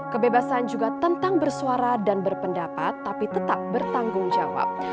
kebebasan juga tentang bersuara dan berpendapat tapi tetap bertanggung jawab